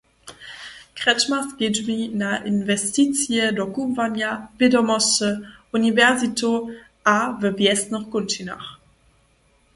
Kretschmer skedźbni na inwesticije do kubłanja, wědomosće, uniwersitow a we wjesnych kónčinach.